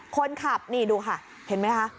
คนขับนี่ดูค่ะเห็นไหมคะ